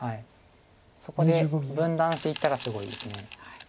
そこで分断していったらすごいです。